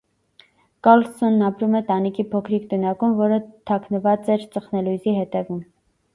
Կառլսոնն ապրում է տանիքի փոքրիկ տնակում, որը թաքնված էր ծխնելույզի հետևում։